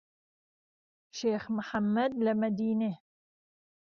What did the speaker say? شیخ محەممەد لە مەدینێ